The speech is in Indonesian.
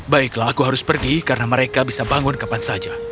baiklah aku harus pergi karena mereka bisa bangun kapan saja